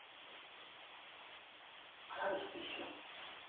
彼氏と一緒？